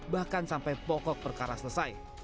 bahkan sampai pokok perkara selesai